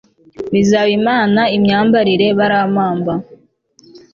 bizaba imana imyambarire barampamba